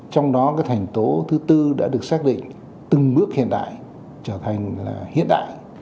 trong đó thành tố thứ bốn đã được xác định từng bước hiện đại trở thành hiện đại